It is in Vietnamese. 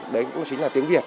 đấy cũng chính là tiếng việt